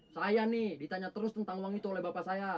saya nih ditanya terus tentang uang itu oleh bapak saya